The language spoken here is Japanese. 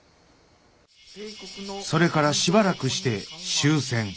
それからしばらくして終戦。